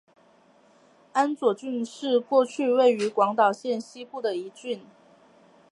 安佐郡是过去位于广岛县西部的一郡。